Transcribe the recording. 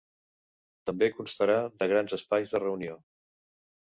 També constarà de grans espais de reunió.